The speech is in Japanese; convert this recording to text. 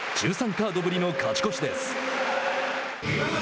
カードぶりの勝ち越しです。